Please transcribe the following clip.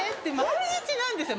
毎日なんですよ